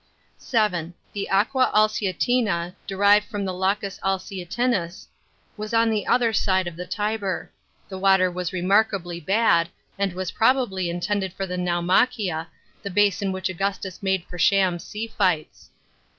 (7) The Aqua Alsietina, derived from the Lacus Alsietinus, was on the other side of the Tiber; the water was remarkably bad, aiid was probably intended for the Naumachia, the basin which Augustus made for sham sea fights.